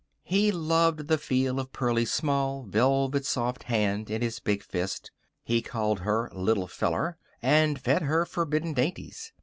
He loved the feel of Pearlie's small, velvet soft hand in his big fist. He called her "little feller," and fed her forbidden dainties.